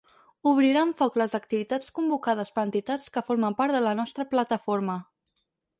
Obriran foc les activitats convocades per entitats que formen part de la nostra plataforma.